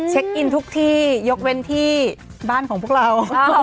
อินทุกที่ยกเว้นที่บ้านของพวกเรา